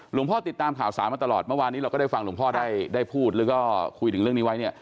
พ่อติดตามข่าวสารมาตลอดเมื่อวานนี้เราก็ได้ฟังหลวงพ่อได้พูดแล้วก็คุยถึงเรื่องนี้ไว้เนี่ย